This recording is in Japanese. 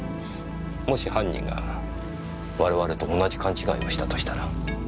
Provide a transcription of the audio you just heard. もし犯人が我々と同じ勘違いをしたとしたら？